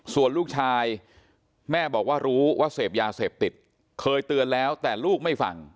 ส่วนลูกชายแม่บอกว่ารู้ว่าเสพยาเสพติดเคยเตือนแล้วแต่ลูกไม่ฟัง